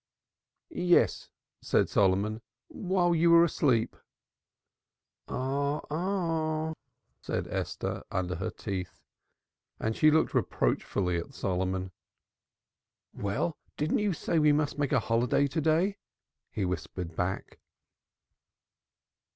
"Yes," said Solomon. "While you were asleep." "Oh h h!" said Esther under her breath. And she looked reproachfully at Solomon. "Well, didn't you say we must make a holiday to day?" he whispered back.